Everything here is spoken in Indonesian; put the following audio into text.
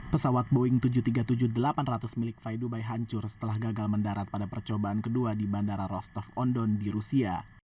pesawat boeing tujuh ratus tiga puluh tujuh delapan ratus milik faidubay hancur setelah gagal mendarat pada percobaan kedua di bandara rostov on don di rusia